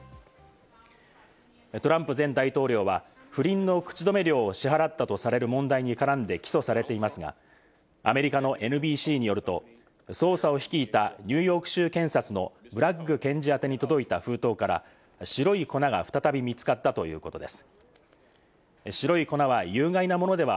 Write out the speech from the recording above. トランプ前大統領は不倫の口止め料を支払ったとされる問題に絡んで起訴されていますが、アメリカのＮＢＣによると、捜査を率いたニューヨーク州検察のブラッグ検事宛てに届いた封筒から白い粉が再び見つかったということです。